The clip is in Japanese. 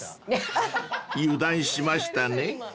［油断しましたね］